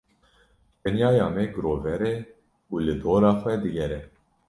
Dinyaya me girover e û li dora xwe digere.